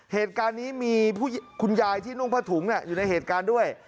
เหตุการณ์นี้มีคุณยายที่นุ่งผ้าถุงอยู่ในเหตุการณ์ด้วย